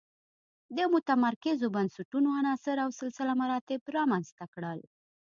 د متمرکزو بنسټونو عناصر او سلسله مراتب رامنځته کړل.